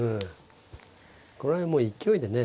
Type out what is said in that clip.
これはもう勢いでね